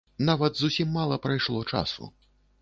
Нават зусім мала прайшло часу.